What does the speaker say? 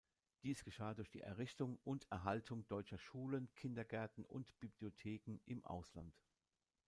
Dies geschah durch die Errichtung und Erhaltung deutscher Schulen, Kindergärten und Bibliotheken im Ausland.